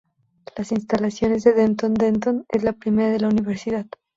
La instalación de Denton Denton es la primera de la universidad.